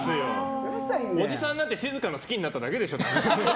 おじさんになって静かが好きになっただけでしょ？